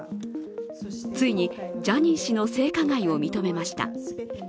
ついに、ジャニー氏の性加害を認めました。